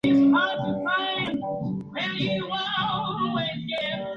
Basada en la obra de teatro homónima de Brian Clark.